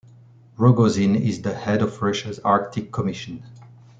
Rogozin is the head of Russia's Arctic Commission.